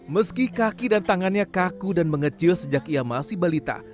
meski kaki dan tangannya kaku dan mengecil sejak ia masih balita